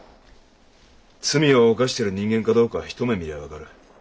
罪を犯してる人間かどうかは一目見りゃ分かる。